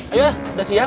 ayo dah udah siang